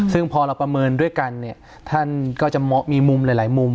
ซึ่งพอเราประเมินด้วยกันเนี่ยท่านก็จะมีมุมหลายมุม